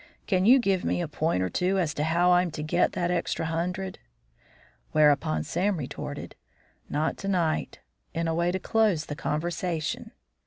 Can you give me a point or two as to how I'm to get that extra hundred?" Whereupon Sam retorted, "Not to night," in a way to close the conversation.